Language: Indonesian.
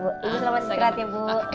selamat istirahat ya bu